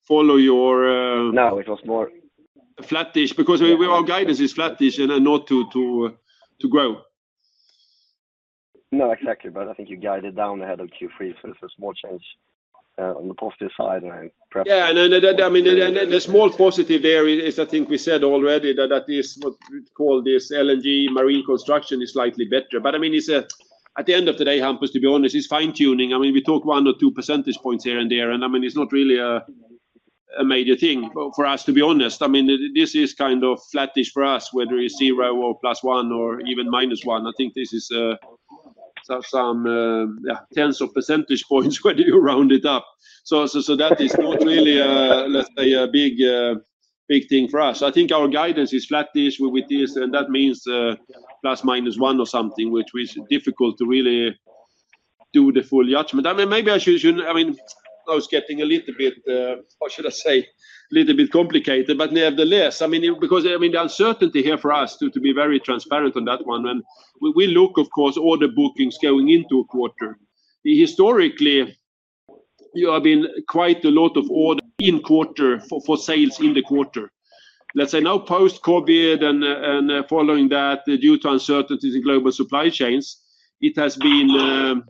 follow your. No, it was more. Flat-ish. Because our guidance is flat-ish and not to grow. No, exactly. But I think you guided down ahead of Q3. So it's a small change on the positive side. Yeah I mean, the small positive there is, I think we said already, that what we call this LNG marine construction is slightly better. But I mean, at the end of the day, Hampus Engellau, to be honest, it's fine-tuning. I mean, we talk one or two percentage points here and there. And I mean, it's not really a major thing for us, to be honest. I mean, this is kind of flat-ish for us, whether it's zero or +1 or even -1. I think this is some, yeah, tens of percentage points whether you round it up. So that is not really, let's say, a big thing for us. I think our guidance is flat-ish with this. And that means +1, -1 or something, which is difficult to really do the full judgment. I mean, maybe I shouldn't. I mean, I was getting a little bit, how should I say, a little bit complicated. But nevertheless, I mean, because I mean, the uncertainty here for us, to be very transparent on that one, when we look, of course, order bookings going into a quarter, historically, there have been quite a lot of orders in quarter for sales in the quarter. Let's say now, post-COVID and following that, due to uncertainties in global supply chains, it has been,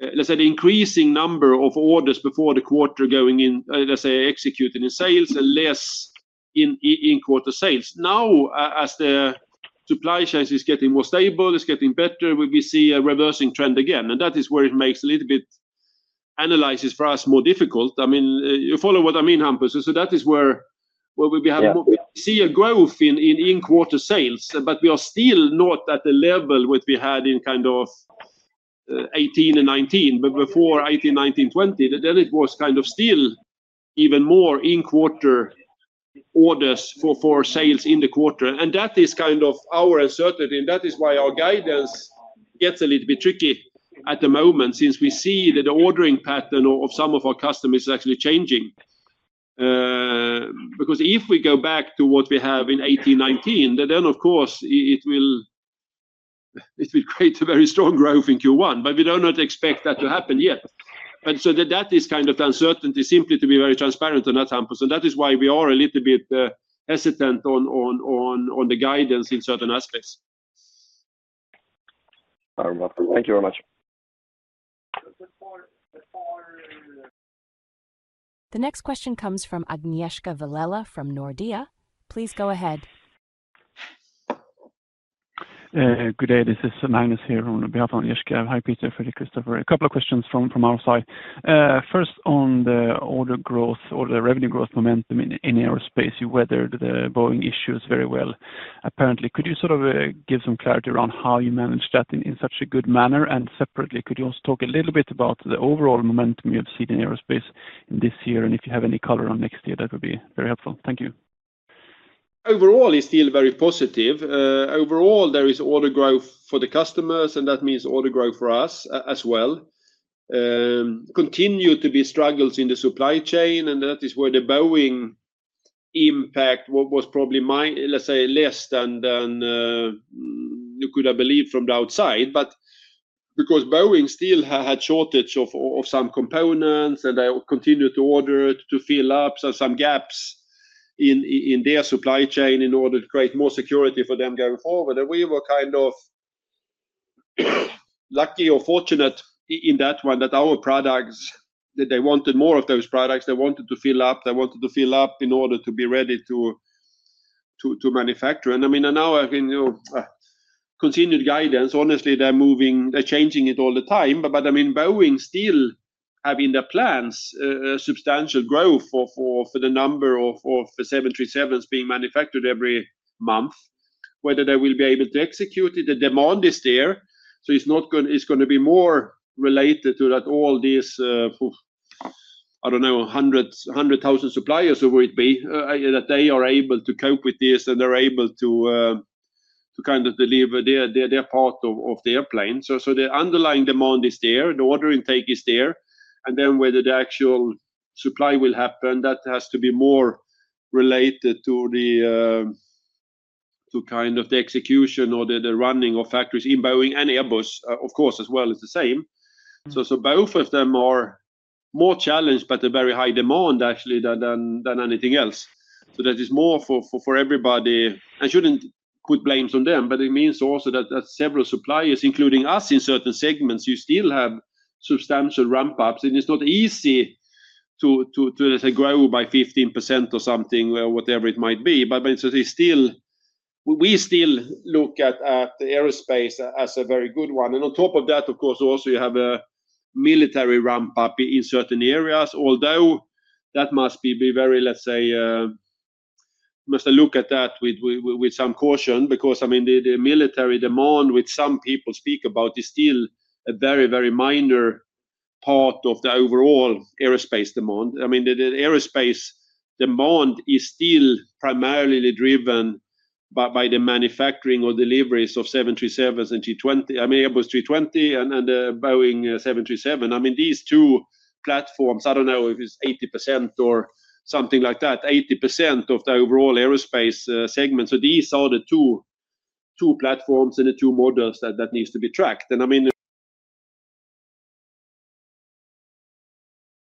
let's say, the increasing number of orders before the quarter going in, let's say, executed in sales and less in quarter sales. Now, as the supply chain is getting more stable, it's getting better, we see a reversing trend again. And that is where it makes a little bit analysis for us more difficult. I mean, you follow what I mean, Hampus Engellau? That is where we see a growth in quarter sales. But we are still not at the level which we had in kind of 2018 and 2019, before 2018, 2019, 2020. Then it was kind of still even more in quarter orders for sales in the quarter. And that is kind of our uncertainty. And that is why our guidance gets a little bit tricky at the moment since we see that the ordering pattern of some of our customers is actually changing. Because if we go back to what we have in 2018, 2019, then of course, it will create a very strong growth in Q1. But we do not expect that to happen yet. And so that is kind of the uncertainty, simply to be very transparent on that, Hampus Engellau. And that is why we are a little bit hesitant on the guidance in certain aspects. Thank you very much. The next question comes from Agnieszka Vilela from Nordea. Please go ahead. Good day. This is Linus Larsson here on behalf of Agnieszka Vilela. Hi, Peter Nilsson, Fredrik Nilsson, Christofer Sjögren. A couple of questions from our side. First, on the order growth or the revenue growth momentum in aerospace. You weathered the Boeing issues very well. Apparently, could you sort of give some clarity around how you managed that in such a good manner? And separately, could you also talk a little bit about the overall momentum you've seen in aerospace this year? And if you have any color on next year, that would be very helpful. Thank you. Overall, it's still very positive. Overall, there is order growth for the customers. And that means order growth for us as well. Continue to be struggles in the supply chain. That is where the Boeing impact was probably, let's say, less than you could have believed from the outside. Because Boeing still had shortage of some components and they continued to order it to fill up some gaps in their supply chain in order to create more security for them going forward. We were kind of lucky or fortunate in that one that our products, they wanted more of those products. They wanted to fill up. They wanted to fill up in order to be ready to manufacture. I mean, now, I mean, continued guidance. Honestly, they're changing it all the time. I mean, Boeing still having the plans, substantial growth for the number of 737s being manufactured every month, whether they will be able to execute it, the demand is there. So it's going to be more related to that all these, I don't know, 100,000 suppliers, whoever it be, that they are able to cope with this and they're able to kind of deliver their part of the airplane. The underlying demand is there. The order intake is there. And then whether the actual supply will happen, that has to be more related to kind of the execution or the running of factories in Boeing and Airbus, of course, as well as the same. So both of them are more challenged, but a very high demand, actually, than anything else. So that is more for everybody. I shouldn't put blame on them. But it means also that several suppliers, including us in certain segments, you still have substantial ramp-ups. And it's not easy to, let's say, grow by 15% or something or whatever it might be. But we still look at aerospace as a very good one. And on top of that, of course, also you have a military ramp-up in certain areas. Although that must be very, let's say, you must look at that with some caution. Because I mean, the military demand, which some people speak about, is still a very, very minor part of the overall aerospace demand. I mean, the aerospace demand is still primarily driven by the manufacturing or deliveries of 737s and Airbus A320 and Boeing 737. I mean, these two platforms, I don't know if it's 80% or something like that, 80% of the overall aerospace segment. So these are the two platforms and the two models that need to be tracked.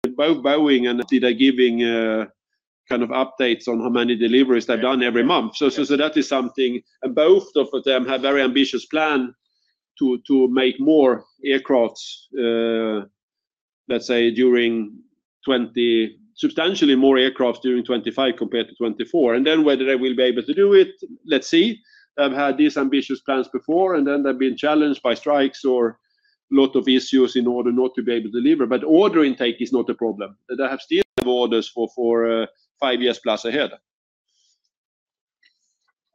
And I mean, both Boeing. They're giving kind of updates on how many deliveries they've done every month. So that is something. And both of them have a very ambitious plan to make more, let's say, substantially more aircraft during 2025 compared to 2024. And then whether they will be able to do it, let's see. They've had these ambitious plans before. And then they've been challenged by strikes or a lot of issues in order not to be able to deliver. But order intake is not a problem. They have still orders for five years plus ahead.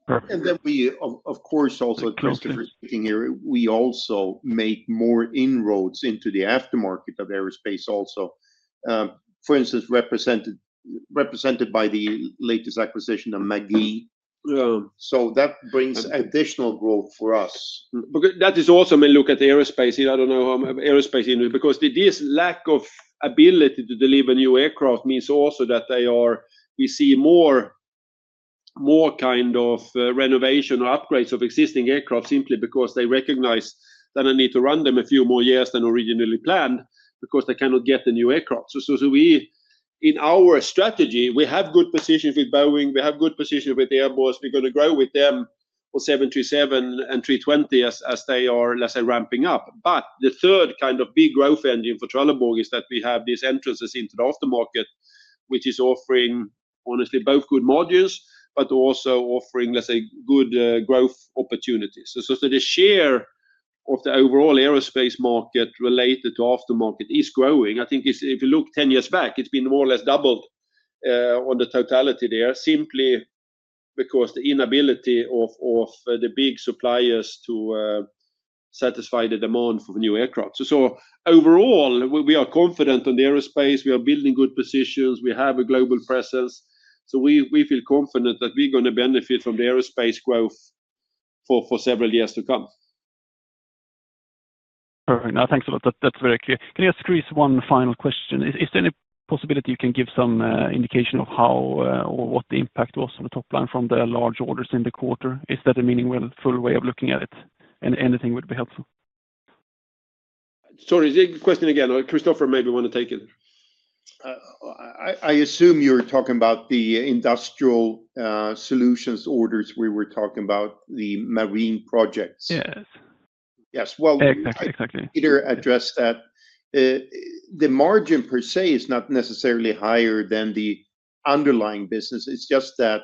And then, of course, also Christofer Sjögren speaking here, we also make more inroads into the aftermarket of aerospace also, for instance, represented by the latest acquisition of Magee Plastics. So that brings additional growth for us. But that is also I mean, look at the aerospace here. I don't know how aerospace is because this lack of ability to deliver new aircraft means also that we see more kind of renovation or upgrades of existing aircraft simply because they recognize that I need to run them a few more years than originally planned because they cannot get the new aircraft. So in our strategy, we have good positions with Boeing. We have good positions with Airbus. We're going to grow with them for 737 and 320 as they are, let's say, ramping up. But the third kind of big growth engine for Trelleborg is that we have these entrances into the aftermarket, which is offering, honestly, both good modules, but also offering, let's say, good growth opportunities. So the share of the overall aerospace market related to aftermarket is growing. I think if you look 10 years back, it's been more or less doubled on the totality there simply because the inability of the big suppliers to satisfy the demand for new aircraft. So overall, we are confident on the aerospace. We are building good positions. We have a global presence. So we feel confident that we're going to benefit from the aerospace growth for several years to come. Perfect. No, thanks a lot. That's very clear. Can I ask Christofer Sjögren one final question? Is there any possibility you can give some indication of how or what the impact was on the top line from the large orders in the quarter? Is that a meaningful way of looking at it? And anything would be helpful. Sorry. Question again. Christofer Sjögren maybe want to take it. I assume you're talking about the industrial solutions orders we were talking about, the marine projects. Yes. Yes. Well, we either address that. The margin per se is not necessarily higher than the underlying business. It's just that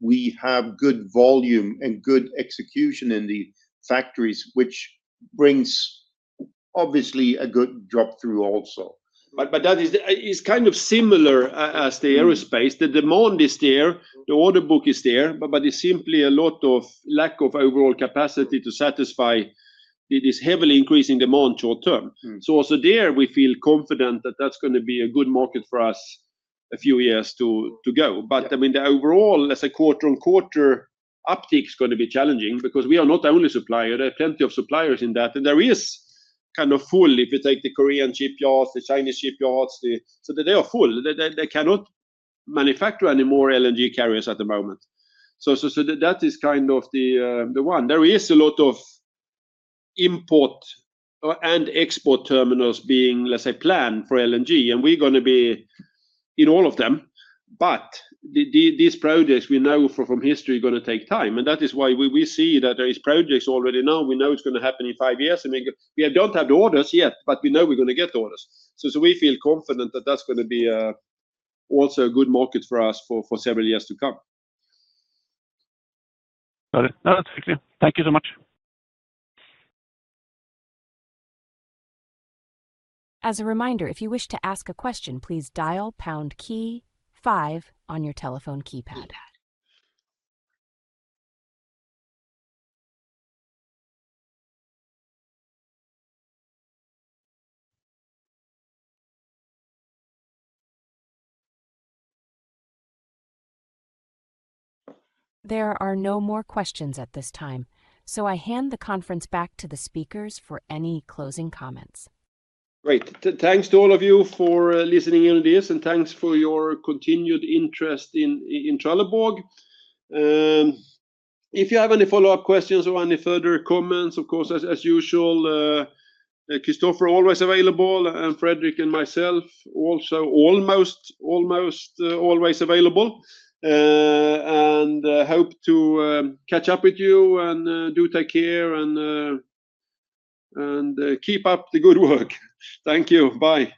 we have good volume and good execution in the factories, which brings obviously a good drop-through also. But that is kind of similar as the aerospace. The demand is there. The order book is there. But it's simply a lot of lack of overall capacity to satisfy this heavily increasing demand short-term. So also there, we feel confident that that's going to be a good market for us a few years to go. But I mean, the overall, let's say, quarter-on-quarter uptick is going to be challenging because we are not the only supplier. There are plenty of suppliers in that. And there is kind of full, if you take the Korean shipyards, the Chinese shipyards. So they are full. They cannot manufacture any more LNG carriers at the moment. So that is kind of the one. There is a lot of import and export terminals being, let's say, planned for LNG. And we're going to be in all of them. But these projects, we know from history, are going to take time. And that is why we see that there are projects already now. We know it's going to happen in five years. And we don't have the orders yet, but we know we're going to get the orders. So we feel confident that that's going to be also a good market for us for several years to come. Got it. No, that's very clear. Thank you so much. As a reminder, if you wish to ask a question, please dial pound key five on your telephone keypad. There are no more questions at this time. So I hand the conference back to the speakers for any closing comments. Great. Thanks to all of you for listening in on this. And thanks for your continued interest in Trelleborg. If you have any follow-up questions or any further comments, of course, as usual, Christofer Sjögren always available, and Fredrik and myself also almost always available. And hope to catch up with you and do take care and keep up the good work. Thank you. Bye.